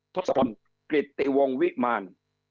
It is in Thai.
ทศพลกริตติวงวิมาน